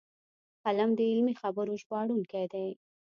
قلم د علمي خبرو ژباړونکی دی